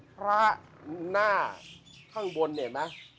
พระหน้าข้างบนเนี่ยเห็นไหม